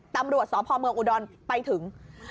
ตำรวจสพเมืองอุดรไปถึง